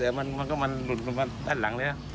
แต่มันก็หลุดลงมาทางหลังเลยครับ